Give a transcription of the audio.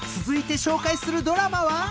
［続いて紹介するドラマは］